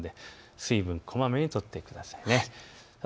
水分、こまめにとってください。